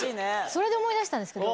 それで思い出したんですけど。